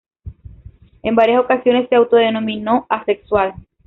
En varias ocasiones se autodenominó asexual.